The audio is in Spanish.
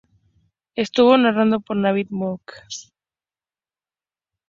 Estuvo narrado por David McCullough.